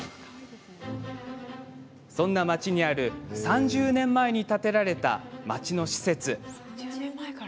そんな町にある、３０年前に建てられた、町の施設。